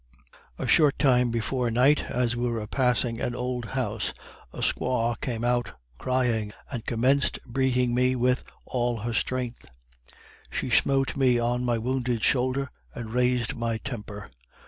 A short time before night, as we were passing an old house, a squaw came out crying, and commenced beating me with all her strength. She smote me on my wounded shoulder, and raised my temper.